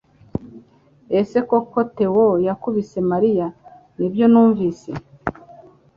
Ese koko Theo yakubise Mariya?" "Nibyo numvise"